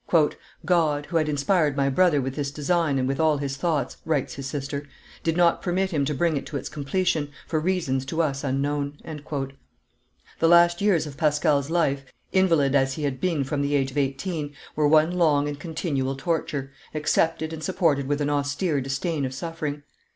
"God, who had inspired my brother with this design and with all his thoughts," writes his sister, "did not permit him to bring it to its completion, for reasons to us unknown." The last years of Pascal's life, invalid as he had been from the age of eighteen, were one long and continual torture, accepted and supported with an austere disdain of suffering.